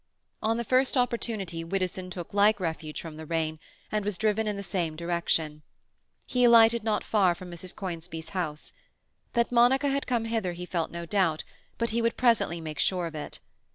On the first opportunity Widdowson took like refuge from the rain, and was driven in the same direction. He alighted not far from Mrs. Conisbee's house. That Monica had come hither he felt no doubt, but he would presently make sure of it.